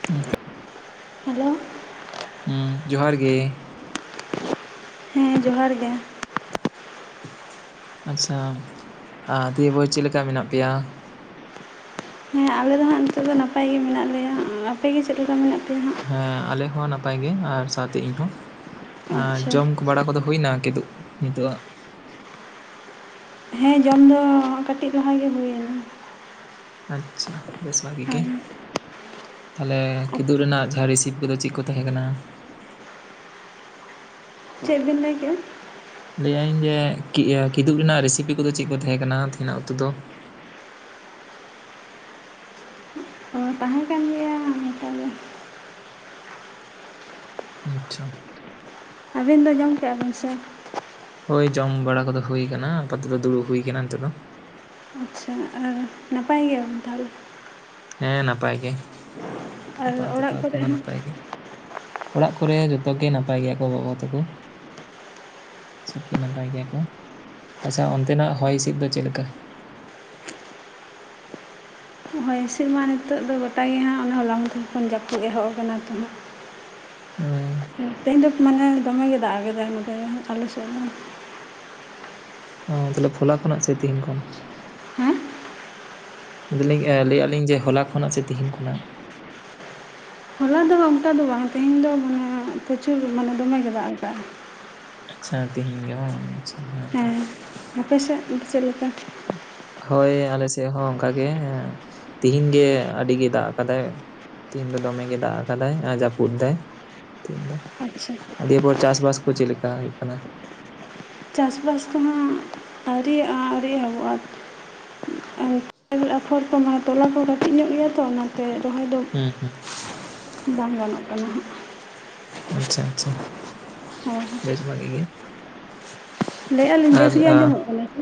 [inaudible] Hello ᱩ ᱡᱚᱦᱟᱨ ᱜᱮ ᱦᱮᱸ ᱡᱚᱦᱟᱨ ᱜᱮ ᱟᱪᱷᱟ ᱟ ᱫᱤᱭᱮ ᱯᱚᱨ ᱪᱮᱫᱞᱮᱠᱟ ᱢᱮᱱᱟᱜ ᱯᱮᱭᱟ ᱦᱮᱸ ᱟᱞᱮ ᱫᱚ ᱦᱟᱸᱜ ᱱᱤᱛᱚᱜ ᱫᱚ ᱱᱟᱯᱟᱭ ᱜᱮ ᱢᱮᱱᱟᱜ ᱞᱮᱭᱟ ᱟᱯᱮᱜᱮ ᱪᱮᱫ ᱞᱮᱠᱟ ᱢᱮᱱᱟᱜ ᱯᱮᱭᱟ ᱦᱟᱸᱜ ᱦᱮᱸ ᱟᱞᱮᱦᱚᱸ ᱱᱟᱯᱟᱭ ᱜᱮ ᱟᱨ ᱥᱟᱶᱛᱮ ᱤᱧᱦᱚ ᱮ ᱟᱪᱪᱷᱟ ᱡᱚᱢ ᱵᱟᱲᱟ ᱠᱚᱫᱚ ᱦᱩᱭᱱᱟ ᱠᱤᱫᱩᱜ ᱱᱤᱛᱚᱜ ᱟᱜ ᱦᱮᱸ ᱡᱚᱢ ᱫᱚ ᱠᱟᱹᱴᱤᱡ ᱞᱟᱦᱟ ᱜᱮ ᱦᱩᱭᱱᱟ ᱟᱪᱪᱷᱟ ᱵᱮᱥ ᱵᱷᱟᱹᱜᱤ ᱜᱮ ᱦᱮᱸ ᱛᱟᱦᱞᱮ ᱠᱤᱫᱩᱜ ᱨᱮᱱᱟᱜ ᱡᱟᱦᱟᱸ ᱨᱤᱥᱤᱵᱽ ᱠᱚᱫᱚ ᱪᱮᱫ ᱠᱚ ᱛᱟᱦᱮᱸ ᱠᱟᱱᱟ ᱪᱮᱫ ᱵᱮᱱ ᱞᱟᱹᱭ ᱠᱮᱫ ᱟ ᱞᱟᱹᱭᱮᱫ ᱤᱧᱡᱮ ᱠᱤ ᱠᱤᱫᱩᱵ ᱨᱮᱱᱟᱜ ᱨᱮᱥᱤᱯᱤ ᱠᱚᱫᱚ ᱪᱮᱫ ᱠᱚ ᱛᱟᱦᱮᱸ ᱠᱟᱱᱟ ᱛᱮᱦᱮᱱᱟᱜ ᱩᱛᱩ ᱫᱚ ᱚ ᱛᱟᱦᱮᱸ ᱠᱟᱱ ᱜᱮᱭᱟ ᱚᱱᱠᱟ ᱜᱮ ᱟᱪᱪᱷᱟ ᱟᱹᱵᱤᱱ ᱫᱚ ᱡᱚᱢ ᱠᱮᱫᱼᱟ ᱵᱤᱱ ᱥᱮ ᱦᱳᱭ ᱡᱚᱢ ᱵᱟᱲᱟ ᱠᱚᱫᱚ ᱦᱩᱭ ᱠᱟᱱᱟ ᱟᱯᱟᱛᱚᱛᱚ ᱫᱩᱲᱩᱵ ᱦᱩᱭ ᱟᱴᱠᱟᱱᱟ ᱱᱤᱛᱚᱜ ᱫᱚ ᱟᱪᱪᱷᱟ ᱟ ᱱᱟᱯᱟᱭ ᱜᱮᱭᱟ ᱵᱤᱱ ᱛᱟᱦᱞᱮ ᱦᱮᱸ ᱱᱟᱯᱟᱭ ᱜᱮ ᱟᱨ ᱟᱯᱟᱛᱚᱛᱚ ᱚᱲᱟᱜ ᱮᱠᱷᱚᱱ ᱠᱚᱨᱮ ᱫᱚ ᱦᱚᱸ ᱱᱟᱯᱟᱭ ᱜᱮ ᱚᱲᱟᱜ ᱠᱚᱨᱮ ᱡᱚᱛᱚ ᱜᱮ ᱱᱟᱯᱟᱭ ᱜᱮᱭᱟ ᱠᱚ ᱵᱟᱵᱟ ᱛᱟᱠᱚ ᱥᱚᱵᱜᱮ ᱱᱟᱯᱟᱭ ᱜᱮᱭᱟ ᱠᱚ ᱟᱪᱷᱟ ᱚᱱᱛᱮᱱᱟᱜ ᱦᱚᱭ ᱦᱤᱸᱥᱤᱫ ᱫᱚ ᱪᱮᱫ ᱞᱮᱠᱟ ᱦᱚᱭ ᱦᱤᱸᱥᱤᱫ ᱢᱟ ᱱᱤᱛᱳᱜ ᱫᱚ ᱜᱚᱴᱟᱜᱮ ᱦᱟᱸᱜ ᱚᱱᱟ ᱦᱚᱞᱟ ᱢᱟᱫᱷᱮᱨ ᱠᱷᱚᱱ ᱡᱟᱹᱯᱩᱫ ᱮᱦᱚᱵ ᱠᱟᱱᱟ ᱛᱚ ᱩ ᱛᱮᱦᱮᱧ ᱫᱚ ᱢᱟᱱᱮ ᱫᱚᱢᱮ ᱜᱮ ᱫᱟᱜ ᱠᱟᱫᱟᱭ ᱱᱚᱛᱮ ᱟᱞᱮ ᱥᱮᱫ ᱦᱚᱸ ᱚ ᱛᱟᱦᱚᱞᱮ ᱯᱷᱚᱞᱟ ᱠᱷᱚᱱᱟᱜ ᱥᱮ ᱛᱮᱦᱮᱧ ᱠᱷᱚᱱ ᱦᱮᱸ ᱟᱫᱟᱞᱤᱧ ᱞᱟᱹᱭᱟᱜᱫᱞᱤᱧ ᱡᱮ ᱦᱚᱞᱟ ᱠᱷᱚᱱᱟᱜ ᱥᱮ ᱛᱮᱦᱤᱧ ᱠᱷᱚᱱᱟᱜ ᱦᱚᱞᱟ ᱫᱚ ᱚᱱᱠᱟ ᱫᱚ ᱵᱟᱝ ᱛᱮᱦᱮᱧ ᱫᱚ ᱢᱟᱱᱮ [unintelligible] ᱯᱨᱚᱩᱨ ᱢᱟᱱᱮ ᱫᱚᱢᱮ ᱜᱮ ᱫᱟᱜ ᱟᱠᱟᱟᱜᱼᱟ ᱟᱪᱷᱟ ᱛᱮᱦᱮᱧ ᱜᱮ ᱵᱟᱝ ᱟᱪᱷᱟ ᱦᱮᱸ ᱛᱚ᱾ ᱦᱮᱸ ᱟᱯᱮ ᱥᱮᱫ ᱫᱚ ᱪᱮᱫ ᱞᱮᱠᱟ ᱦᱳᱭ ᱟᱞᱮ ᱥᱮᱫ ᱦᱚᱸ ᱚᱱᱠᱟᱜ ᱜᱮ ᱛᱮᱦᱮᱧ ᱜᱮ ᱟᱹᱰᱤ ᱜᱮ ᱫᱟᱜ ᱠᱟᱫᱟᱭ ᱛᱮᱦᱮᱧ ᱫᱚ ᱫᱚᱢᱮ ᱜᱮ ᱫᱟᱜ ᱠᱟᱫᱟᱭ ᱟᱨ ᱡᱟᱹᱯᱩᱫ ᱫᱟᱭ ᱛᱮᱦᱮᱧ ᱫᱚ ᱟᱪᱪᱷᱟ ᱫᱤᱭᱯᱚᱨ ᱪᱟᱥᱵᱟᱥ ᱠᱚ ᱪᱮᱫ ᱞᱮᱠᱟ ᱦᱩᱭᱩᱜ ᱠᱟᱱᱟ ᱪᱟᱥᱼᱵᱟᱥ ᱠᱚᱦᱚᱸ ᱟᱹᱣᱨᱤᱭᱟᱜ ᱟ ᱟᱹᱣᱨᱤ ᱮᱦᱚᱵᱚᱜᱼᱟ ᱚ ᱮᱨ ᱟᱠᱯᱷᱚᱨ ᱠᱚᱦᱚ ᱛᱚᱞᱟ ᱠᱚ ᱠᱟᱹᱴᱤᱡ ᱧᱚᱜ ᱜᱮᱭᱟ ᱛᱚ ᱚᱱᱟ ᱛᱮ ᱨᱚᱦᱚᱭ ᱫᱚ ᱦᱩᱸ ᱦᱩᱸ ᱵᱟᱝ ᱜᱟᱱᱚᱜ ᱠᱟᱱᱟ ᱦᱟᱸᱜ ᱟᱪᱪᱷᱟ ᱟᱪᱪᱷᱟ ᱵᱮᱥ ᱵᱷᱟᱜᱤ ᱜᱮ ᱞᱟᱹᱭᱮᱫᱼᱟ ᱞᱤᱧ ᱟᱨ ᱵᱮᱥ ᱜᱮ ᱟᱸᱡᱚᱢᱚᱜ ᱠᱟᱱᱟ ᱥᱮ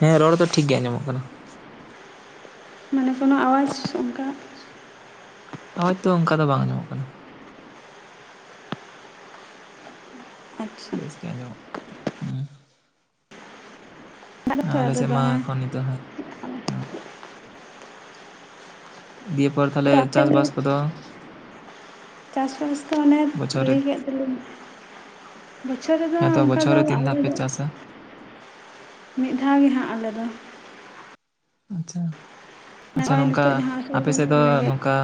ᱦᱮᱸ ᱨᱚᱲ ᱫᱚ ᱴᱷᱤᱠ ᱜᱮᱭᱟ ᱟᱸᱡᱚᱢᱚᱜ ᱠᱟᱱᱟ ᱢᱟᱱᱮ ᱠᱳᱱᱳ ᱟᱣᱟᱡᱽ ᱚᱱᱠᱟ ᱦᱚᱭ ᱛᱚ ᱚᱱᱠᱟ ᱫᱚ ᱵᱟᱝ ᱟᱸᱢᱚᱜ ᱠᱟᱱᱟ ᱟᱪᱪᱷᱟ ᱵᱮᱥ ᱜᱮ ᱟᱸᱡᱚᱢᱚᱜ ᱠᱟᱱᱟ ᱦᱮᱸ ᱵᱟᱝᱛᱚ ᱟᱞᱮ ᱟᱫᱚ ᱥᱮᱫ ᱢᱟ ᱫᱚᱢᱮ ᱮᱠᱷᱚᱱ ᱱᱤᱛ ᱦᱚᱸ ᱫᱤᱭᱮ ᱯᱚᱨ ᱛᱟᱦᱞᱮ ᱛᱚ ᱟᱯᱮ ᱪᱟᱥ ᱵᱟᱥ ᱠᱚᱫᱚ ᱪᱟᱥ ᱵᱟᱥ ᱫᱚ ᱚᱱᱮ ᱵᱚᱪᱷᱚᱨ ᱨᱮ ᱞᱟᱹᱭ ᱠᱮᱫ ᱫᱚᱞᱤᱧ ᱵᱚᱪᱷᱚᱨ ᱨᱮᱫᱚ ᱦᱮᱸᱛᱚ ᱚᱱᱠᱟ ᱵᱚᱪᱷᱚᱨ ᱫᱚ ᱨᱮ ᱛᱤᱱ ᱫᱷᱟᱣ ᱟᱞᱮ ᱯᱮ ᱫᱚ ᱪᱟᱥᱟ ᱢᱤᱫ ᱫᱷᱟᱣ ᱜᱮᱦᱟᱸᱜ ᱟᱞᱮ ᱫᱚ ᱟᱪᱪᱷᱟ ᱟᱪᱪᱷᱟ ᱱᱚᱜᱼᱚᱭ ᱱᱚᱝᱠᱟ ᱱᱤᱛᱚᱜ ᱡᱟᱦᱟᱸ ᱟᱥᱟᱲ ᱟᱯᱮ ᱥᱮᱫ ᱵᱚᱸᱜᱟ ᱫᱚ ᱤᱱᱟᱹᱜᱮ ᱱᱚᱝᱠᱟ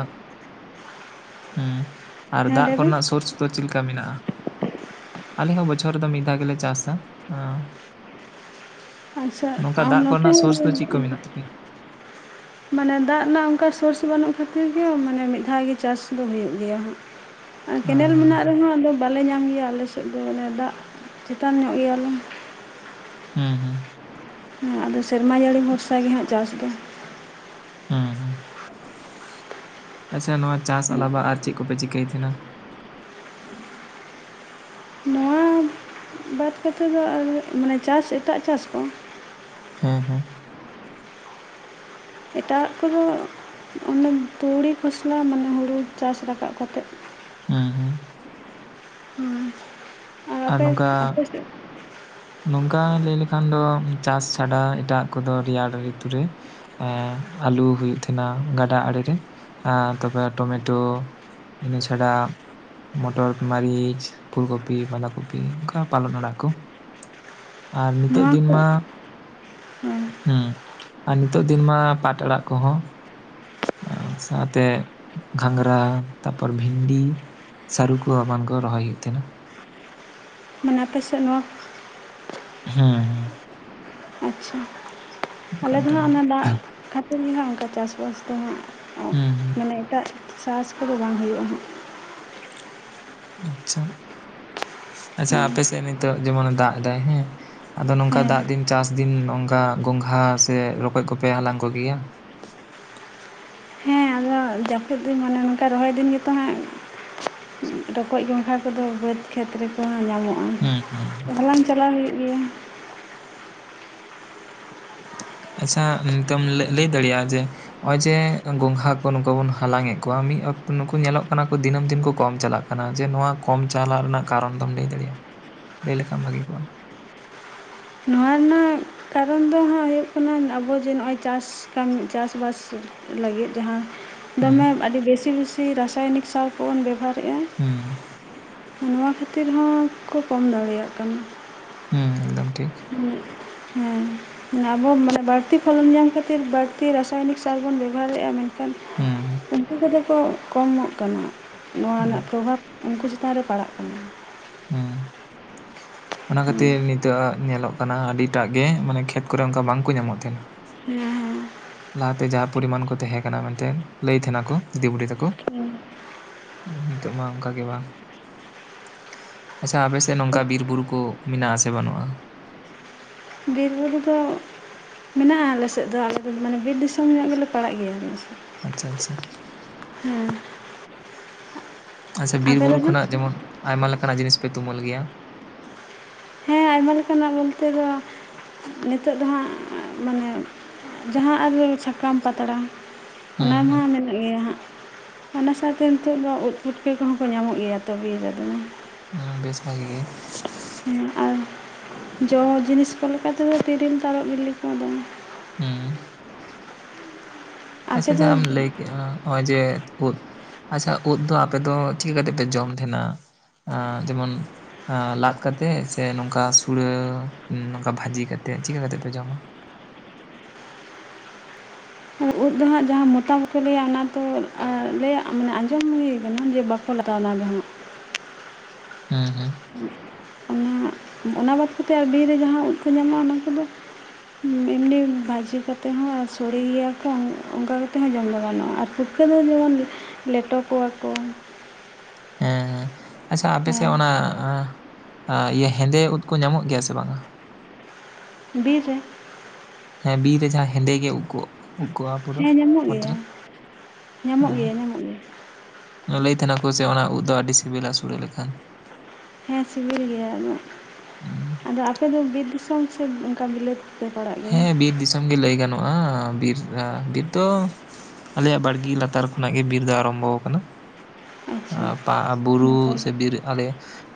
ᱦᱩᱸ ᱟᱨ ᱦᱮᱸ ᱫᱟᱜ ᱞᱟᱹᱭ ᱠᱚ ᱵᱤᱱ ᱨᱮᱱᱟᱜ ᱥᱳᱨᱥ ᱫᱚ ᱪᱮᱞᱠᱟ ᱢᱮᱱᱟᱜᱼᱟ ᱟᱞᱮ ᱦᱚᱸ ᱵᱚᱪᱷᱚᱨ ᱨᱮᱫᱚ ᱢᱤᱫ ᱫᱷᱟᱣ ᱜᱮᱞᱮ ᱪᱟᱥᱟ ᱟᱪᱪᱷᱟ ᱱᱚᱝᱠᱟ ᱟᱨ ᱫᱟᱜ ᱱᱚᱛᱮ ᱠᱚᱨᱮᱱᱟᱜ ᱦᱚᱸ ᱥᱳᱨᱥ ᱫᱚ ᱪᱮᱫ ᱠᱚ ᱢᱮᱱᱟᱜ ᱛᱟᱯᱮᱭᱟ ᱢᱟᱱᱮ ᱫᱟᱜ ᱨᱮᱱᱟᱜ ᱚᱱᱠᱟ ᱥᱳᱨᱥ ᱵᱟᱹᱱᱩᱜ ᱠᱚ ᱠᱷᱟᱹᱛᱤᱨ ᱜᱮ ᱢᱟᱱᱮ ᱢᱤᱫ ᱫᱷᱟᱣ ᱜᱮ ᱪᱟᱥ ᱫᱚ ᱦᱩᱭᱩᱜ ᱜᱮᱭᱟ ᱦᱟᱸᱜ ᱟᱨ ᱦᱮᱸ ᱠᱮᱱᱮᱞ ᱦᱮᱸ ᱢᱮᱱᱟᱜ ᱨᱮᱦᱚᱸ ᱟᱫᱚ ᱵᱟᱞᱮ ᱧᱟᱢ ᱜᱮᱭᱟ ᱟᱞᱮ ᱥᱮᱫ ᱫᱚ ᱚᱱᱮ ᱫᱟᱜ ᱪᱮᱛᱟᱱ ᱧᱚᱜ ᱜᱮᱭᱟᱞᱮ ᱦᱩᱸ ᱦᱩᱸ ᱟᱫᱚ ᱥᱮᱨᱢᱟ ᱡᱟᱹᱲᱤ ᱵᱷᱚᱨᱥᱟ ᱜᱮ ᱦᱟᱸᱜ ᱪᱟᱥ ᱫᱚ ᱩᱦᱩᱸ ᱟᱪᱪᱷᱟ ᱱᱚᱣᱟ ᱪᱟᱥ ᱟᱞᱟᱵᱟ ᱟᱨ ᱪᱮᱫ ᱠᱚᱯᱮ ᱪᱤᱠᱟᱹᱭ ᱛᱟᱦᱮᱱᱟ ᱵᱟᱹᱫᱷ ᱠᱚᱛᱮ ᱫᱚ ᱟᱨ ᱢᱟᱱᱮ ᱪᱟᱥ ᱮᱴᱟᱜ ᱪᱟᱥ ᱠᱚ ᱦᱮᱸ ᱦᱮᱸ ᱮᱴᱟᱼᱟᱜ ᱠᱚᱫᱚ ᱚᱱᱮ ᱛᱩᱲᱤ ᱠᱷᱚᱥᱞᱟ ᱢᱟᱱᱮ ᱦᱩᱲᱩ ᱪᱟᱥ ᱨᱟᱠᱟᱵ ᱠᱟᱛᱮᱜ ᱦᱩᱸ ᱦᱩᱸ ᱦᱩᱸ ᱟᱨ ᱟᱨ ᱟᱯᱮ ᱱᱚᱝᱠᱟ ᱟᱯᱮ ᱥᱮᱫ ᱱᱚᱝᱠᱟ ᱞᱟᱹᱭ ᱞᱮᱠᱷᱟᱱ ᱫᱚ ᱪᱟᱥ ᱪᱷᱟᱰᱟ ᱮᱴᱟᱜ ᱠᱚᱫᱚ ᱨᱮᱭᱟᱲ ᱨᱤᱛᱩ ᱨᱮ ᱮᱸ ᱟᱞᱩ ᱦᱩᱭᱩᱜ ᱛᱟᱦᱮᱸᱱᱟ ᱜᱟᱰᱟ ᱟᱲᱮ ᱨᱮ ᱮ ᱛᱚᱵᱮ ᱴᱚᱢᱮᱴᱳ ᱤᱱᱟᱹ ᱪᱷᱟᱲᱟ ᱢᱚᱴᱚᱨ ᱢᱟᱹᱨᱤᱪ ᱯᱷᱩᱞᱠᱚᱯᱤ ᱵᱟᱫᱟᱸ ᱠᱚᱯᱤ ᱚᱱᱠᱟ ᱯᱟᱞᱚᱱ ᱟᱲᱟᱜ ᱠᱚ ᱟᱨ ᱱᱤᱛᱚᱜ ᱱᱚᱣᱟ ᱫᱤᱱ ᱠᱚ ᱢᱟ ᱦᱮᱸ ᱦᱩᱸ ᱟᱨ ᱱᱤᱛᱚᱜ ᱫᱤᱱ ᱢᱟ ᱯᱟᱴ ᱟᱲᱟᱜ ᱠᱚᱦᱚᱸ ᱥᱟᱶ ᱛᱮ ᱜᱷᱟᱸᱝᱜᱨᱟ ᱛᱟᱯᱚᱨ ᱵᱷᱤᱱᱰᱤ ᱥᱟᱨᱩ ᱠᱚ ᱮᱢᱟᱱ ᱠᱚ ᱨᱚᱦᱚᱭ ᱦᱩᱭᱩᱜ ᱛᱟᱦᱮᱱᱟ ᱢᱟᱱᱮ ᱟᱯᱮ ᱥᱮᱫ ᱱᱚᱣᱟ ᱦᱩᱸ ᱦᱩᱸ ᱟᱪᱪᱷᱟ ᱟᱞᱮ ᱚᱱᱠᱟᱱ ᱫᱚ ᱴᱟᱭᱤᱢ ᱦᱟᱸᱜ ᱨᱮ ᱚᱱᱟ ᱫᱟᱜ ᱠᱷᱟᱹᱛᱤᱨ ᱜᱮ ᱦᱟᱸᱜ ᱚᱱᱠᱟ ᱪᱟᱥ ᱵᱟᱥ ᱫᱚ ᱦᱟᱸᱜ ᱦᱩᱸ ᱦᱩᱸ ᱢᱟᱱᱮ ᱮᱴᱟᱜ ᱪᱟᱥ ᱠᱚᱫᱚ ᱵᱟᱝ ᱦᱩᱭᱩᱜᱼᱟ ᱦᱟᱸᱜ ᱟᱪᱷᱟ ᱟᱪᱷᱟ ᱦᱮᱸ ᱟᱯᱮ ᱥᱮᱫ ᱱᱤᱛᱚᱜ ᱡᱮᱢᱚᱱᱮ ᱫᱟᱜ ᱫᱟᱭ ᱦᱮᱸ ᱟᱫᱚ ᱱᱚᱝᱠᱟ ᱦᱮᱸ ᱫᱟᱜ ᱫᱤᱱ ᱪᱟᱥ ᱫᱤᱱ ᱱᱚᱝᱠᱟ ᱜᱚᱝᱜᱷᱟ ᱥᱮ ᱨᱚᱠᱚᱡ ᱠᱚᱯᱮ ᱦᱟᱞᱟᱝ ᱠᱚᱜᱮᱭᱟ? ᱦᱮᱸ ᱟᱫᱚ ᱡᱟᱹᱯᱩᱫ ᱫᱤᱱ ᱢᱟᱱᱮ ᱱᱚᱝᱠᱟ ᱨᱚᱦᱚᱭ ᱫᱤᱱ ᱜᱮᱛᱚ ᱦᱟᱸᱜ ᱨᱚᱠᱚᱡ ᱜᱚᱸᱝᱜᱷᱟ ᱠᱚᱫᱚ ᱵᱟᱹᱫᱽ ᱠᱷᱮᱛ ᱨᱮᱠᱚ ᱠᱚ ᱧᱟᱢᱚᱜᱼᱟ ᱦᱩᱸ ᱦᱩᱸ ᱛᱚ ᱦᱟᱞᱟᱝ ᱪᱟᱞᱟᱣ ᱦᱩᱭᱩᱜ ᱜᱮᱭᱟ ᱟᱪᱪᱷᱟ ᱱᱤᱛᱚᱢ ᱞᱟᱹᱭ ᱫᱟᱲᱮᱭᱟᱜᱼᱟ ᱡᱮ ᱱᱚᱜᱼᱚᱭ ᱡᱮ ᱜᱚᱝᱜᱷᱟ ᱠᱚ ᱱᱩᱠᱩ ᱵᱚᱱ ᱦᱟᱞᱟᱝ ᱮᱫ ᱠᱚᱣᱟ ᱢᱤᱫ ᱚᱠᱛᱚ ᱱᱩᱠᱩ ᱧᱮᱞᱚᱜ ᱠᱟᱱᱟ ᱠᱚ ᱫᱤᱱᱟᱹᱢ ᱫᱤᱱ ᱠᱚ ᱠᱚᱢ ᱪᱟᱞᱟᱜ ᱠᱟᱱᱟ ᱡᱮ ᱱᱚᱣᱟ ᱠᱚᱢ ᱪᱟᱞᱟᱜ ᱨᱮᱱᱟᱜ ᱠᱟᱨᱚᱱ ᱫᱚᱢ ᱞᱟᱹᱭ ᱫᱟᱲᱮᱭᱟᱜᱼᱟ ᱞᱟᱹᱭ ᱞᱮᱠᱷᱟᱱ ᱵᱷᱟᱜᱤ ᱠᱚᱜᱼᱟ ᱱᱚᱣᱟ ᱨᱮᱱᱟᱜ ᱠᱟᱨᱚᱱ ᱫᱚ ᱦᱟᱸᱜ ᱦᱩᱭᱩᱜ ᱠᱟᱱᱟ ᱟᱵᱚ ᱡᱮ ᱱᱚᱜᱼᱚᱭ ᱪᱟᱥ ᱪᱟᱥ ᱵᱟᱥ ᱞᱟᱹᱜᱤᱫ ᱡᱟᱦᱟᱸ ᱦᱩᱸ ᱫᱚᱢᱮ ᱟᱹᱰᱤ ᱵᱮᱥᱤ ᱵᱮᱥᱤ ᱨᱟᱥᱟᱭᱱᱤᱠ ᱥᱟᱨ ᱠᱚ ᱵᱚᱱ ᱵᱮᱵᱚᱦᱟᱨᱮᱫᱼᱟ ᱦᱩᱸ ᱱᱚᱶᱟ ᱠᱷᱟᱹᱛᱤᱨ ᱦᱚᱸᱠᱚ ᱠᱚᱢ ᱫᱟᱲᱮᱭᱟᱜ ᱠᱟᱱᱟ᱾ ᱦᱩᱸ ᱮᱠᱫᱚᱢ ᱴᱷᱤᱠ [inaudible] ᱦᱮᱸ ᱟᱵᱚ ᱢᱟᱱᱮ ᱵᱟᱹᱲᱛᱤ ᱯᱷᱚᱞᱚᱱ ᱧᱟᱢ ᱠᱷᱟᱹᱛᱤᱨ ᱵᱟᱹᱲᱛᱤ ᱨᱟᱥᱟᱭᱚᱱᱤᱠ ᱥᱟᱨ ᱵᱚᱱ ᱵᱮᱵᱚᱦᱟᱨ ᱮᱫᱼᱟ ᱢᱮᱱᱠᱷᱟᱱ ᱢᱮᱱᱠᱷᱟᱱ ᱦᱩᱸ ᱩᱱᱠᱩ ᱠᱚᱫᱚ ᱠᱚ ᱠᱚᱢᱚᱜ ᱠᱟᱱᱟ ᱱᱚᱣᱟ ᱦᱩᱸ ᱨᱮᱱᱟᱜ ᱯᱚᱨᱚᱵᱷᱟᱵᱽ ᱩᱱᱠᱩ ᱪᱮᱛᱟᱱ ᱨᱮ ᱯᱟᱲᱟᱜ ᱠᱟᱱᱟ᱾ ᱦᱩᱸ [inaudible] ᱚᱱᱟ ᱠᱷᱟᱹᱛᱤᱨ ᱦᱮᱸ ᱱᱤᱛᱚᱜᱜ ᱧᱮᱞᱚᱜ ᱠᱟᱱᱟ ᱟᱹᱰᱤ ᱮᱴᱟᱜ ᱜᱮ ᱢᱟᱱᱮ ᱠᱷᱮᱛ ᱠᱚᱨᱮ ᱚᱱᱠᱟ ᱵᱟᱝᱠᱚ ᱧᱟᱢᱚᱜ ᱛᱟᱦᱮᱱᱟ᱾ ᱦᱮᱸ ᱦᱮᱸ ᱞᱟᱦᱟᱛᱮ ᱡᱟᱦᱟᱸ ᱯᱚᱨᱤᱢᱟᱱ ᱠᱚ ᱛᱟᱦᱮᱸ ᱠᱟᱱᱟ ᱢᱮᱱᱛᱮ ᱞᱟᱹᱭ ᱛᱟᱦᱮᱸ ᱱᱟᱠᱚ ᱫᱤᱫᱤ ᱵᱩᱰᱤ ᱛᱟᱠᱚ ᱦᱮᱸ ᱱᱤᱛᱚᱜ ᱢᱟ ᱚᱱᱠᱟ ᱜᱮ ᱵᱟᱝ ᱟᱪᱪᱷᱟ ᱟᱯᱮ ᱥᱮᱫ ᱱᱚᱝᱠᱟ ᱵᱤᱨ ᱵᱩᱨᱩ ᱠᱚ ᱢᱮᱱᱟᱜ ᱟᱥᱮ ᱵᱟᱹᱱᱩᱜᱼᱟ ᱵᱤᱨ ᱵᱩᱨᱩ ᱫᱚ ᱢᱮᱱᱟᱜᱼᱟ ᱟᱞᱮ ᱥᱮᱫ ᱫᱚ ᱟᱞᱮ ᱫᱚ ᱢᱟᱱᱮ ᱵᱤᱨ ᱫᱤᱥᱚᱢ ᱧ ᱜᱮᱞᱮ ᱯᱟᱲᱟᱜ ᱜᱮᱭᱟ ᱟᱪᱷᱟ ᱟᱪᱷᱟ ᱦᱮᱸ ᱟᱪᱷᱟ ᱵᱤᱨ ᱟᱯᱮ ᱫᱚ ᱵᱩᱨᱩ ᱦᱟᱸᱜ ᱠᱷᱚᱱᱟᱜ ᱡᱮᱢᱚᱱ ᱟᱭᱢᱟ ᱞᱮᱠᱟᱱᱟᱜ ᱡᱤᱱᱤᱥ ᱯᱮ ᱛᱩᱢᱟᱹᱞ ᱜᱮᱭᱟ ᱦᱮᱸ ᱟᱭᱢᱟ ᱞᱮᱠᱟᱱᱟᱜ ᱵᱚᱞᱛᱮ ᱫᱚ ᱱᱤᱛᱚᱜ ᱫᱚ ᱦᱟᱸᱜ ᱢᱟᱱᱮ ᱡᱟᱦᱟᱸ ᱟᱨ ᱥᱟᱷᱟᱠᱟᱢ ᱯᱟᱛᱲᱟ ᱚᱱᱟ ᱦᱩᱸ ᱢᱟ ᱦᱩᱸ ᱢᱮᱱᱟᱜ ᱜᱮᱭᱟ ᱦᱟᱸᱜ ᱚᱱᱟ ᱥᱟᱶᱛᱮ ᱱᱤᱛᱚᱜ ᱫᱚ ᱩᱫ ᱯᱩᱴᱠᱟᱹ ᱠᱚᱦᱚᱸ ᱠᱚ ᱧᱟᱢᱚᱜ ᱜᱮᱭᱟ ᱛᱚ ᱵᱤᱨ ᱨᱮ ᱫᱚ ᱦᱮᱸ ᱵᱮᱥ ᱵᱷᱟᱜᱮ ᱜᱮ ᱦᱮᱸ ᱟᱨ ᱡᱚ ᱡᱤᱱᱤᱥ ᱠᱚ ᱞᱮᱠᱟ ᱛᱮ ᱫᱚ ᱛᱤᱨᱤᱞ ᱛᱟᱨᱚᱜ ᱵᱤᱞᱤ ᱠᱚ ᱫᱚ ᱦᱮᱸ ᱟᱯᱮ ᱟᱪᱷᱟ ᱫᱚ ᱡᱟᱦᱟᱸᱟᱢ ᱞᱟᱹᱭ ᱠᱮᱫ ᱠᱮᱜᱼᱟ ᱱᱚᱜᱼᱚᱭ ᱡᱮ ᱩᱫ ᱟᱪᱷᱟ ᱳᱫ ᱫᱚ ᱟᱯᱮ ᱫᱚ ᱪᱤᱠᱟᱹ ᱠᱟᱛᱮᱜ ᱯᱮ ᱡᱚᱢ ᱛᱟᱦᱮᱱᱟ ᱮ ᱡᱮᱢᱚᱱ? ᱞᱟᱫ ᱠᱟᱛᱮᱫ ᱥᱮ ᱱᱚᱝᱠᱟ ᱥᱩᱲᱟᱹ ᱱᱚᱝᱠᱟ ᱵᱷᱟᱹᱡᱤ ᱠᱟᱛᱮᱫ ᱪᱤᱠᱟᱹ ᱠᱟᱛᱮ ᱯᱮ ᱡᱚᱢᱟ? ᱟᱨ ᱩᱫ ᱫᱚ ᱦᱟᱸᱜ ᱡᱟᱦᱟᱸ ᱢᱚᱛᱟ ᱵᱟᱠᱚ ᱞᱟᱹᱭᱟ ᱚᱱᱟ ᱫᱚ ᱞᱟᱹ ᱢᱟᱱᱮ ᱟᱸᱡᱚᱢ ᱦᱩᱭ ᱠᱟᱱᱟ ᱡᱮ ᱵᱟ ᱠᱚᱞ ᱞᱟᱜᱟᱣᱱᱟ ᱫᱚ ᱦᱟᱸᱜ ᱦᱮᱸ ᱦᱮᱸ ᱚᱸᱜ ᱚᱱᱮ ᱚᱱᱟ ᱵᱟᱫ ᱠᱟᱛᱮ ᱟᱨ ᱵᱤᱨ ᱨᱮ ᱡᱟᱦᱟᱸ ᱩᱫ ᱠᱚ ᱧᱟᱢᱚᱜᱼᱟ ᱚᱱᱟ ᱠᱚ ᱫᱚ ᱮᱢᱱᱤ ᱵᱷᱟᱹᱡᱤ ᱠᱟᱛᱮᱫ ᱦᱚᱸ ᱥᱚᱲᱮ ᱜᱮᱭᱟ ᱠᱚ ᱚᱱᱠᱟ ᱠᱟᱛᱮᱫ ᱦᱚᱸ ᱡᱚᱢ ᱫᱚ ᱜᱟᱱᱚᱜᱼᱟ᱾ ᱟᱨ ᱯᱩᱴ ᱯᱷᱟᱹᱨᱟᱹᱭ ᱫᱚ ᱵᱟᱝ ᱞᱮᱴᱚ ᱠᱚᱣᱟ ᱠᱚ ᱦᱮᱸ ᱦᱮᱸ ᱟᱪᱷᱟ ᱟᱯᱮ ᱥᱮᱫ ᱚᱱᱟ ᱤᱭᱟᱹ ᱦᱮᱸᱫᱮ ᱩᱫ ᱠᱚ ᱧᱟᱢᱚᱜ ᱜᱮᱭᱟ ᱥᱮ ᱵᱟᱝ-ᱟ? ᱵᱤᱨ ᱨᱮ ᱦᱮᱸ ᱵᱤᱨ ᱨᱮ ᱡᱟᱦᱟᱸ ᱦᱮᱸᱫᱮ ᱜᱮ ᱳᱫ ᱠᱚᱜ ᱳᱫ ᱠᱚᱜ-ᱟ ᱯᱩᱨᱟᱹ ᱦᱮᱸ ᱧᱟᱢᱚᱜ ᱚᱛ ᱜᱮᱭᱟ ᱨᱮ ᱧᱟᱢᱚᱜ ᱦᱮᱸ ᱜᱮᱭᱟ ᱧᱟᱢᱚᱜ ᱜᱮᱭᱟ ᱞᱟᱹᱭ ᱛᱟᱦᱮᱱᱟ ᱠᱚ ᱡᱮ ᱚᱱᱟ ᱩᱵ ᱫᱚ ᱟᱹᱰᱤ ᱥᱤᱵᱤᱞᱟ ᱥᱚᱲᱮ ᱞᱮᱠᱷᱟᱱ᱾ ᱦᱮᱸ ᱥᱤᱵᱤᱞ ᱜᱮᱭᱟ ᱟ ᱟᱫᱚ ᱟᱯᱮ ᱫᱚ ᱵᱤᱨ ᱫᱤᱥᱚᱢ ᱥᱮ ᱚᱱᱠᱟ ᱵᱤᱞᱟᱹᱛᱤ ᱯᱮ ᱯᱟᱲᱟᱜ-ᱟ? ᱦᱮᱸ ᱵᱤᱨ ᱫᱤᱥᱚᱢ ᱜᱮ ᱞᱟᱹᱭ ᱜᱟᱱᱚᱜᱼᱟ ᱵᱤᱨ ᱵᱤᱨ ᱫᱚ ᱟᱞᱮᱭᱟᱜ ᱵᱟᱲᱜᱮ ᱞᱟᱛᱟᱨ ᱠᱷᱚᱱᱟᱜ ᱜᱮ ᱵᱤᱨ ᱫᱚ ᱟᱨᱚᱢᱵᱷᱚ ᱟᱠᱟᱱᱟ᱾ ᱟᱪᱪᱷᱟ ᱵᱩᱨᱩ ᱱᱟᱯᱟᱭ ᱥᱮ ᱜᱮ᱾ ᱵᱤᱨ ᱟᱞᱮ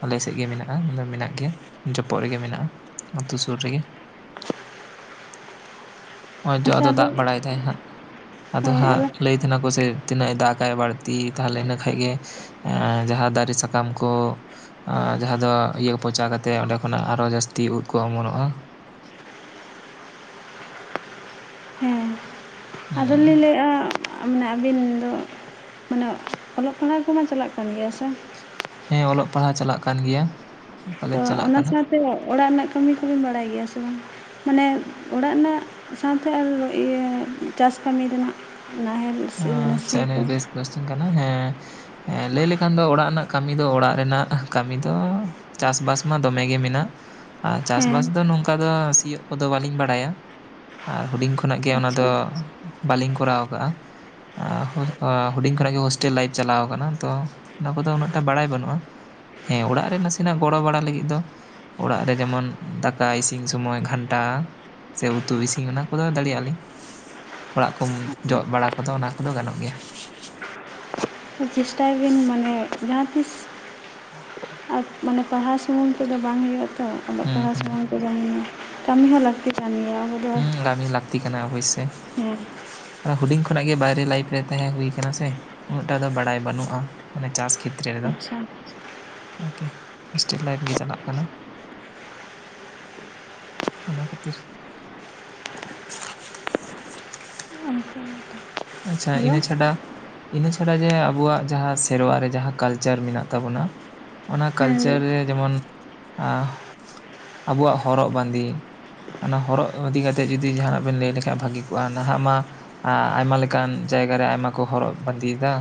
ᱟᱞᱮ ᱥᱮᱫ ᱜᱮ ᱢᱮᱱᱟᱜᱼᱟ ᱢᱟᱱᱮ ᱢᱮᱱᱟᱜ ᱜᱮᱭᱟ ᱡᱚᱯᱚᱜ ᱨᱮ ᱜᱮ ᱢᱮᱱᱟᱜᱼᱟ ᱟᱛᱳ ᱥᱩᱨ ᱨᱮ ᱜᱮ᱾ ᱱᱚᱜ-ᱚᱭ ᱡᱚ ᱟᱫᱚ ᱫᱟᱜ ᱵᱟᱲᱟᱭ ᱫᱟᱭ ᱦᱟᱸᱜ ᱟᱫᱚ ᱦᱟᱸᱜ ᱞᱟᱹᱭ ᱤᱱᱟᱹ ᱠᱚ ᱥᱮ ᱛᱤᱱᱟᱹᱜ ᱫᱟᱜᱟᱭ ᱵᱟᱹᱲᱛᱤ ᱛᱟᱦᱚᱞᱮ ᱤᱱᱟᱹ ᱠᱷᱟᱡ ᱜᱮ ᱮ ᱡᱟᱦᱟᱸ ᱫᱟᱨᱮ ᱥᱟᱠᱟᱢ ᱠᱚ ᱟᱨ ᱡᱟᱦᱟᱸ ᱫᱚ ᱤᱭᱟᱹ ᱯᱚᱪᱟ ᱠᱟᱛᱮᱫ ᱚᱸᱰᱮ ᱠᱷᱚᱱᱟᱜ ᱟᱨᱚ ᱡᱟᱹᱥᱛᱤ ᱩᱫ ᱠᱚ ᱚᱢᱚᱱᱚᱜ-ᱟ ᱟᱫᱚ ᱦᱮᱸ ᱞᱤᱧ ᱞᱟᱹᱭᱮᱫ-ᱟ ᱢᱟᱱᱮ ᱟᱹᱵᱤᱱ ᱫᱚ ᱢᱟᱱᱮ ᱚᱞᱚᱜ ᱯᱟᱲᱦᱟᱣ ᱠᱚᱢᱟ ᱪᱟᱞᱟᱜ ᱠᱟᱱ ᱜᱮᱭᱟ ᱦᱮᱸᱥᱮ? ᱦᱮᱸ ᱚᱞᱚᱜ ᱯᱟᱲᱦᱟᱣ ᱪᱟᱞᱟᱜ ᱠᱟᱱ ᱜᱮᱭᱟ ᱛᱚ ᱠᱚᱞᱮᱡᱽ ᱪᱟᱞᱟᱜ ᱚᱱᱟ ᱠᱟᱱᱟ ᱥᱟᱶᱛᱮ ᱚᱲᱟᱜ ᱨᱮᱱᱟᱜ ᱠᱟᱹᱢᱤ ᱠᱚ ᱵᱤᱱ ᱵᱟᱲᱟᱭ ᱜᱮᱭᱟ ᱥᱮ ᱵᱟᱝ? ᱢᱟᱱᱮ ᱚᱲᱟᱜ ᱨᱮᱱᱟᱜ ᱥᱟᱶᱛᱮ ᱟᱨ ᱤᱭᱟᱹ ᱪᱟᱥ ᱠᱟᱹᱢᱤ ᱨᱮᱱᱟᱜ ᱱᱟᱦᱮᱞ ᱥᱤ ᱢᱟᱱᱮ ᱟᱪᱪᱷᱟ ᱥᱤ ᱠᱚ ᱱᱤᱭᱟᱹ ᱵᱮᱥ ᱠᱚᱥᱪᱮᱱ ᱠᱟᱱᱟ ᱦᱮᱸ ᱦᱮᱸ ᱞᱟᱹᱭ ᱞᱮᱠᱷᱟᱱ ᱫᱚ ᱚᱲᱟᱜ ᱨᱮᱱᱟᱜ ᱠᱟᱹᱢᱤ ᱫᱚ ᱚᱲᱟᱜ ᱨᱮᱱᱟᱜ ᱠᱟᱹᱢᱤ ᱫᱚ ᱪᱟᱥᱵᱟᱥ ᱢᱟ ᱫᱚᱢᱮ ᱜᱮ ᱢᱮᱱᱟᱜ ᱟᱨ ᱪᱟᱥ ᱦᱮᱸ ᱵᱟᱥ ᱫᱚ ᱱᱚᱝᱠᱟ ᱫᱚ ᱥᱤᱭᱳᱜ ᱠᱚᱫᱚ ᱵᱟᱹᱞᱤᱧ ᱵᱟᱲᱟᱭᱟ ᱟᱨ ᱦᱩᱰᱤᱧ ᱠᱷᱚᱱᱟᱜ ᱜᱮ ᱚᱱᱟ ᱫᱚ ᱟᱪᱪᱷᱟ ᱵᱟᱹᱞᱤᱧ ᱠᱚᱨᱟᱣ ᱟᱠᱟᱜ-ᱟ ᱦᱩᱰᱤᱧ ᱠᱷᱚᱱᱟᱜ ᱜᱮ ᱦᱳᱥᱴᱮᱞ ᱞᱟᱭᱤᱯᱷ ᱪᱟᱞᱟᱣ ᱠᱟᱱᱟ ᱛᱚ ᱚᱱᱟ ᱠᱚᱫᱚ ᱩᱱᱟᱹᱜᱴᱟ ᱵᱟᱲᱟᱭ ᱵᱟᱹᱱᱩᱜ-ᱟ ᱦᱮᱸ ᱚᱲᱟᱜ ᱨᱮ ᱱᱟᱥᱮᱱᱟᱜ ᱜᱚᱲᱚ ᱵᱟᱲᱟ ᱞᱟᱹᱜᱤᱫ ᱫᱚ ᱚᱲᱟᱜ ᱨᱮ ᱡᱮᱢᱚᱱ ᱫᱟᱠᱟ ᱤᱥᱤᱱ ᱥᱚᱢᱚᱭ ᱜᱷᱟᱱᱴᱟ ᱥᱮ ᱩᱛᱩ ᱤᱥᱤᱱ ᱚᱱᱟ ᱠᱚᱫᱚ ᱫᱟᱲᱮᱭᱟᱜ-ᱟ ᱞᱤᱧ ᱚᱲᱟᱜ ᱠᱚᱢ ᱡᱚᱜ ᱵᱟᱲᱟ ᱟᱫᱚ ᱚᱱᱟ ᱠᱚᱫᱚ ᱜᱟᱱᱚᱜ ᱜᱮᱭᱟ ᱪᱮᱥᱴᱟᱭ ᱵᱤᱱ ᱢᱟᱱᱮ ᱡᱟᱦᱟᱸ ᱛᱤᱥ ᱟᱨ ᱢᱟᱱᱮ ᱯᱟᱲᱦᱟᱣ ᱥᱩᱢᱩᱝ ᱛᱮᱫᱚ ᱵᱟᱝ ᱦᱩᱭᱩᱜ-ᱟ ᱛᱚ ᱚᱞᱚᱜ ᱦᱩᱸ ᱯᱟᱲᱦᱟᱣ ᱦᱩᱸ ᱥᱩᱢᱩᱝ ᱫᱚ ᱵᱟᱝ ᱦᱩᱭᱩᱜ-ᱟ ᱠᱟᱹᱢᱤ ᱦᱚᱸ ᱞᱟᱹᱠᱛᱤ ᱠᱟᱱ ᱜᱮᱭᱟ ᱟᱵᱚ ᱫᱚ ᱦᱩᱸ ᱠᱟᱹᱢᱤ ᱞᱟᱹᱠᱛᱤ ᱠᱟᱱᱟ ᱚᱵᱚᱥᱥᱚᱭ ᱦᱮᱸ ᱦᱩᱰᱤᱧ ᱠᱷᱚᱱᱟᱜ ᱜᱮ ᱵᱟᱭᱨᱮ ᱞᱟᱭᱤᱯᱷ ᱨᱮ ᱛᱟᱦᱮᱸ ᱦᱩᱭ ᱟᱠᱟᱱᱟ ᱥᱮ ᱩᱱᱟᱹᱜ ᱴᱟ ᱫᱚ ᱵᱟᱲᱟᱭ ᱵᱟᱹᱱᱩᱜ-ᱟ ᱢᱟᱱᱮ ᱪᱟᱥ ᱠᱷᱮᱛᱨᱮ ᱨᱮᱫᱚ ᱟᱪᱪᱷᱟ ᱟᱨᱠᱤ ᱦᱳᱥᱴᱮᱞ ᱞᱟᱭᱤᱯᱷ ᱜᱮ ᱪᱟᱞᱟᱜ ᱠᱟᱱᱟ ᱚᱱᱟ ᱠᱷᱟᱹᱛᱤᱨ ᱟᱪᱪᱷᱟ ᱦᱮᱞᱳ ᱤᱱᱟᱹ ᱪᱷᱟᱰᱟ ᱤᱱᱟᱹ ᱪᱷᱟᱲᱟ ᱡᱮ ᱟᱵᱚᱣᱟᱜ ᱡᱟᱦᱟᱸ ᱥᱮᱨᱣᱟ ᱨᱮ ᱡᱟᱦᱟᱸ ᱠᱟᱞᱪᱟᱨ ᱢᱮᱱᱟᱜ ᱛᱟᱵᱚᱱᱟ ᱚᱱᱟ ᱠᱟᱞᱪᱟᱨ ᱦᱮᱸ ᱨᱮ ᱡᱮᱢᱚᱱ ᱟᱵᱚᱣᱟᱜ ᱦᱚᱨᱚᱜ ᱵᱟᱸᱫᱮ ᱚᱱᱟ ᱦᱚᱨᱚᱜ ᱤᱫᱤ ᱠᱟᱛᱮ ᱡᱩᱫᱤ ᱡᱟᱦᱟᱱᱟᱜ ᱵᱮᱱ ᱞᱟᱹᱭ ᱞᱮᱠᱷᱟᱡ ᱵᱷᱟᱹᱜᱤ ᱠᱚᱜ-ᱟ ᱱᱟᱦᱟᱜ ᱢᱟ ᱟᱭᱢᱟ ᱞᱮᱠᱟ ᱚᱱᱠᱟᱱ ᱡᱟᱭᱜᱟ ᱨᱮ ᱟᱭᱢᱟ ᱠᱚ ᱦᱚᱨᱚᱜ ᱵᱟᱸᱫᱮᱭᱮᱫᱟ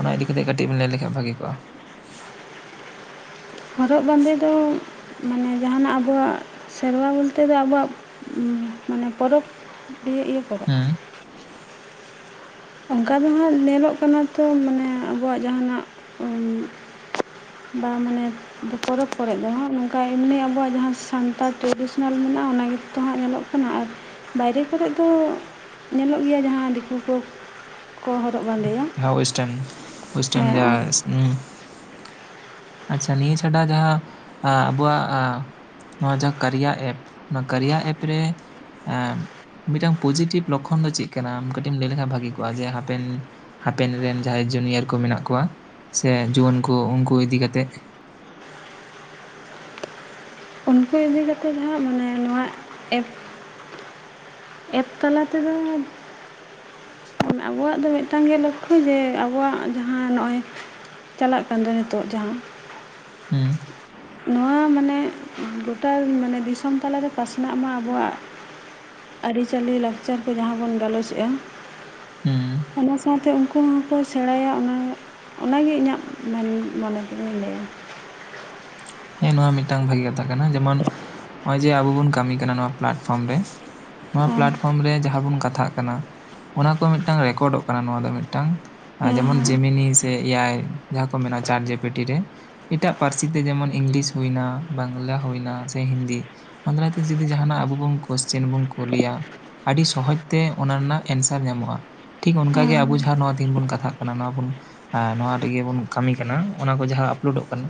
ᱚᱱᱟ ᱤᱫᱤ ᱠᱟᱛᱮᱫ ᱠᱟᱹᱴᱤᱡ ᱵᱮᱱ ᱞᱟᱹᱭ ᱞᱮᱠᱷᱟᱱ ᱵᱷᱟᱜᱤ ᱠᱚᱜ-ᱟ ᱦᱚᱨᱚᱜ ᱵᱟᱸᱫᱮ ᱫᱚ ᱢᱟᱱᱮ ᱡᱟᱦᱟᱱᱟᱜ ᱟᱵᱚᱣᱟᱜ ᱥᱮᱨᱣᱟ ᱵᱚᱞᱛᱮ ᱫᱚ ᱟᱵᱚᱣᱟᱜ ᱩ ᱢᱟᱱᱮ ᱯᱚᱨᱚᱵᱽ ᱤᱭᱟᱹ ᱤᱭᱟᱹ ᱠᱚᱨᱮ ᱦᱩᱸ ᱚᱱᱠᱟ ᱫᱚ ᱦᱟᱸᱜ ᱧᱮᱞᱚᱜ ᱠᱟᱱᱟ ᱛᱚ ᱢᱟᱱᱮ ᱟᱵᱚᱣᱟᱜ ᱡᱟᱦᱟᱸᱱᱟᱜ ᱩᱸᱻ ᱵᱟ ᱢᱟᱱᱮ ᱯᱚᱨᱚᱵᱽ ᱠᱚᱨᱮᱜ ᱫᱚ ᱦᱟᱸᱜ ᱱᱚᱝᱠᱟ ᱮᱢᱱᱤ ᱟᱵᱚᱣᱟᱜ ᱡᱟᱦᱟᱸ ᱥᱟᱱᱛᱟᱲ ᱴᱨᱟᱰᱤᱥᱚᱱᱟᱞ ᱢᱮᱱᱟᱜ-ᱟ ᱚᱱᱟ ᱜᱮᱛᱚ ᱦᱟᱸᱜ ᱧᱮᱞᱚᱜ ᱠᱟᱱᱟ ᱠᱟᱱᱟ ᱟᱨ ᱵᱟᱭᱨᱮ ᱠᱚᱨᱮᱜ ᱫᱚ ᱧᱮᱞᱚᱜ ᱜᱮᱭᱟ ᱡᱟᱦᱟᱸ ᱫᱤᱠᱩ ᱠᱚ ᱠᱚ ᱦᱚᱨᱚᱜ ᱵᱟᱸᱫᱮᱭᱟ ᱡᱟᱦᱟᱸ ᱳᱭᱮᱥᱴᱟᱨᱱ ᱳᱭᱮᱥᱴᱟᱨᱱ ᱦᱮᱸ ᱡᱟᱦᱟᱸ ᱟᱪᱪᱷᱟ ᱱᱤᱭᱟᱹ ᱪᱷᱟᱰᱟ ᱡᱟᱦᱟᱸ ᱟᱵᱚᱣᱟᱜ-ᱟᱸ ᱱᱚᱣᱟ ᱡᱟᱦᱟᱸ ᱠᱟᱨᱤᱭᱟ ᱮᱯ ᱚᱱᱟ ᱠᱟᱨᱤᱭᱟ ᱮᱯ ᱨᱮ ᱮᱸ ᱢᱤᱫᱴᱟᱝ ᱯᱚᱡᱤᱴᱤᱵᱷ ᱞᱚᱠᱠᱷᱚᱱ ᱫᱚ ᱪᱮᱫ ᱠᱟᱱᱟ ᱟᱢ ᱠᱟᱹᱴᱤᱡ ᱮᱢ ᱞᱟᱹᱭ ᱞᱮᱠᱷᱟᱱ ᱵᱷᱟᱹᱜᱤ ᱠᱚᱜᱼᱟ ᱡᱮ ᱦᱟᱯᱮᱱ ᱦᱟᱯᱮᱱ ᱨᱮᱱ ᱡᱟᱦᱟᱸᱭ ᱡᱩᱱᱤᱭᱟᱨ ᱠᱚ ᱢᱮᱱᱟᱜ ᱠᱚᱣᱟ ᱥᱮ ᱡᱩᱣᱟᱹᱱ ᱠᱚ ᱩᱱᱠᱩ ᱤᱫᱤ ᱠᱟᱛᱮᱫ ᱩᱱᱠᱩ ᱤᱫᱤ ᱠᱟᱛᱮ ᱡᱟᱦᱟᱸ ᱢᱟᱱᱮ ᱱᱚᱣᱟ ᱮᱯ ᱮᱯ ᱛᱟᱞᱟ ᱛᱮᱫᱚ ᱟᱵᱚᱣᱟᱜ ᱫᱚ ᱢᱤᱫᱴᱟᱝ ᱜᱮ ᱞᱚᱠᱠᱷᱚ ᱡᱮ ᱟᱵᱚᱣᱟᱜ ᱡᱟᱦᱟᱸ ᱱᱚᱜ-ᱚᱭ ᱪᱟᱞᱟᱜ ᱠᱟᱱ ᱫᱚ ᱱᱤᱛᱳᱜ ᱡᱟᱦᱟᱸ ᱦᱩᱸ ᱱᱚᱣᱟ ᱢᱟᱱᱮ ᱜᱳᱴᱟ ᱢᱟᱱᱮ ᱫᱤᱥᱚᱢ ᱛᱟᱞᱟᱨᱮ ᱯᱟᱥᱱᱟᱜ ᱢᱟ ᱟᱵᱚᱣᱟᱜ ᱟᱹᱨᱤᱪᱟᱹᱞᱤ ᱞᱟᱠᱪᱟᱨ ᱠᱚ ᱡᱟᱦᱟᱸ ᱵᱚᱱ ᱜᱟᱞᱚᱪᱮᱜ-ᱟ ᱦᱩᱸ ᱚᱱᱟ ᱥᱟᱶᱛᱮ ᱩᱱᱠᱩ ᱟᱠᱚ ᱦᱚᱸᱠᱚ ᱥᱮᱸᱲᱟᱭᱟ ᱚᱱᱟ ᱚᱱᱟ ᱜᱮ ᱤᱧᱟᱹᱜ ᱢᱮᱱ ᱢᱚᱱᱮ ᱛᱮᱫᱚᱧ ᱞᱟᱹᱭᱟ ᱦᱮᱸ ᱱᱚᱣᱟ ᱢᱤᱫᱴᱟᱝ ᱵᱷᱟᱜᱤ ᱠᱟᱛᱷᱟ ᱠᱟᱱᱟ ᱡᱮᱢᱚᱱ ᱱᱚᱜᱼᱚᱭ ᱡᱮ ᱟᱵᱚ ᱵᱚᱱ ᱠᱟᱹᱢᱤ ᱠᱟᱱᱟ ᱱᱚᱣᱟ ᱯᱞᱟᱴᱯᱷᱚᱨᱚᱢ ᱨᱮ ᱱᱚᱣᱟ ᱯᱞᱟᱴᱯᱷᱚᱨᱚᱢ ᱨᱮ ᱡᱟᱦᱟᱸ ᱵᱚᱱ ᱠᱟᱛᱷᱟᱜ ᱠᱟᱱᱟ ᱚᱱᱟ ᱠᱚ ᱢᱤᱫᱴᱟᱝ ᱨᱮᱠᱚᱨᱰᱚᱜ ᱠᱟᱱᱟ ᱱᱚᱣᱟ ᱫᱚ ᱢᱤᱫᱴᱟᱝ ᱡᱮᱢᱚᱱ ᱦᱮᱸ ᱡᱮᱢᱤᱱᱤ ᱥᱮ ᱮᱭᱟᱭ ᱡᱟᱦᱟᱸ ᱠᱚ ᱢᱮᱱᱟᱜᱼᱟ ᱪᱟᱴ ᱡᱮᱯᱤᱴᱤ ᱨᱮ ᱮᱴᱟᱜ ᱯᱟᱹᱨᱥᱤ ᱛᱮ ᱡᱮᱢᱚᱱ ᱤᱝᱞᱤᱥ ᱦᱩᱭᱱᱟ ᱵᱟᱝᱞᱟ ᱦᱩᱭᱱᱟ ᱥᱮ ᱦᱤᱱᱫᱤ ᱚᱱᱟ ᱫᱟᱨᱟᱭ ᱛᱮ ᱡᱩᱫᱤ ᱡᱟᱦᱟᱱᱟᱜ ᱟᱵᱚ ᱵᱚᱱ ᱠᱳᱥᱪᱮᱱ ᱵᱚᱱ ᱠᱩᱞᱤᱭᱟ ᱟᱹᱰᱤ ᱥᱚᱦᱚᱡᱽ ᱛᱮ ᱚᱱᱟ ᱨᱮᱱᱟᱜ ᱮᱱᱥᱟᱨ ᱧᱟᱢᱚᱜᱼᱟ ᱴᱷᱤᱠ ᱚᱱᱠᱟᱜᱮ ᱦᱮᱸ ᱟᱵᱚ ᱡᱟᱦᱟᱸ ᱱᱚᱣᱟ ᱛᱤᱱ ᱵᱚᱱ ᱠᱟᱛᱷᱟᱜ ᱠᱟᱱᱟ ᱱᱚᱣᱟ ᱵᱚᱱ ᱱᱚᱣᱟ ᱨᱮᱜᱮ ᱵᱚᱱ ᱠᱟᱹᱢᱤ ᱠᱟᱱᱟ ᱚᱱᱟ ᱠᱚ ᱡᱟᱦᱟᱸ ᱟᱯᱞᱳᱰᱚᱜ ᱠᱟᱱᱟ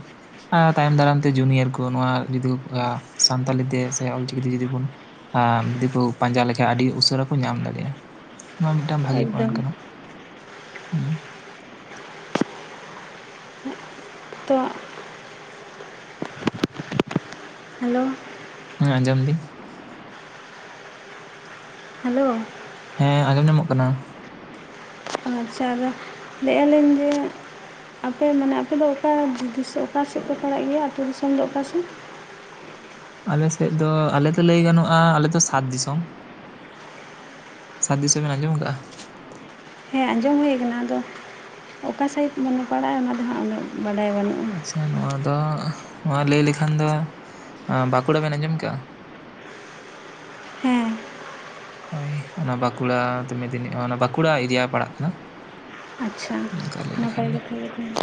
ᱟᱨ ᱛᱟᱭᱚᱢ ᱫᱟᱨᱟᱢ ᱛᱮ ᱡᱩᱱᱤᱭᱟᱨ ᱠᱚ ᱱᱚᱣᱟ ᱡᱩᱫᱤ ᱥᱟᱱᱛᱟᱲᱤ ᱛᱮ ᱥᱮ ᱚᱞᱪᱤᱠᱤ ᱛᱮ ᱡᱩᱫᱤ ᱵᱚᱱ ᱡᱩᱫᱤ ᱠᱚ ᱯᱟᱸᱡᱟ ᱞᱮᱠᱷᱟᱡ ᱟᱹᱰᱤ ᱩᱥᱟᱹᱨᱟ ᱠᱚ ᱧᱟᱢ ᱫᱟᱲᱮᱭᱟᱜᱼᱟ ᱱᱚᱣᱟ ᱢᱤᱫᱴᱟᱝ ᱵᱷᱟᱜᱮ ᱦᱮᱸ ᱯᱚᱭᱮᱱᱴ ᱮᱠᱫᱚᱢ ᱠᱟᱱᱟ ᱦᱩᱸ ᱛᱚ ᱦᱮᱞᱳ ᱦᱮᱸ ᱟᱸᱡᱚᱢ ᱫᱤᱧ ᱦᱮᱞᱳ ᱦᱮᱸ ᱟᱸᱡᱚᱢ ᱧᱟᱢᱚᱜ ᱠᱟᱱᱟ ᱟᱨᱪᱷᱟ ᱟᱨ ᱞᱟᱹᱭᱮᱫ ᱟᱹᱞᱤᱧ ᱡᱮ ᱟᱯᱮ ᱢᱟᱱᱮ ᱟᱯᱮ ᱫᱚ ᱚᱠᱟ ᱫᱤᱥᱚ ᱚᱠᱟ ᱥᱮᱫ ᱯᱮ ᱯᱟᱲᱟᱜ ᱜᱮᱭᱟ ᱟᱛᱩ ᱫᱤᱥᱚᱢ ᱫᱚ ᱚᱠᱟ ᱥᱮᱫ? ᱟᱞᱮᱥᱮᱫ ᱫᱚ ᱟᱞᱮ ᱫᱚ ᱞᱟᱹᱭ ᱜᱟᱱᱚᱜᱼᱟ ᱟᱞᱮᱫᱚ ᱥᱟᱛ ᱫᱤᱥᱚᱢ ᱥᱟᱫ ᱫᱤᱥᱚᱢ ᱵᱮᱱ ᱟᱸᱡᱚᱢ ᱟᱠᱟᱜᱼᱟ ᱦᱮᱸ ᱟᱸᱡᱚᱢ ᱦᱩᱭ ᱟᱠᱟᱱᱟ ᱟᱫᱚ ᱚᱠᱟ ᱥᱟᱭᱤᱡ ᱢᱟᱱᱮ ᱯᱟᱲᱟᱜᱼᱟ ᱚᱱᱟ ᱫᱚ ᱦᱟᱸᱜ ᱩᱱᱟᱹᱜ ᱵᱟᱰᱟᱭ ᱵᱟᱹᱱᱩᱜᱼᱟ ᱟᱪᱪᱷᱟ ᱱᱚᱣᱟ ᱫᱚ ᱱᱚᱣᱟ ᱞᱟᱹᱭ ᱞᱮᱠᱷᱟᱱ ᱫᱚ ᱵᱟᱸᱠᱩᱲᱟ ᱵᱮᱱ ᱟᱸᱡᱚᱢ ᱠᱟᱜᱼᱟ ᱦᱮᱸ ᱦᱳᱭ ᱚᱱᱟ ᱵᱟᱸᱠᱩᱲᱟ ᱢᱤᱫᱤᱱᱤ ᱵᱟᱸᱠᱩᱲᱟ ᱮᱨᱤᱭᱟ ᱯᱟᱲᱟᱜ ᱠᱟᱱᱟ ᱟᱪᱪᱷᱟ ᱚᱝᱠᱟ ᱞᱟᱭ ᱞᱮᱠᱷᱟᱱ ᱱᱟᱯᱟᱭ ᱫᱚ ᱠᱟᱛᱷᱟ ᱜᱮ ᱛᱟᱦᱚᱞᱮ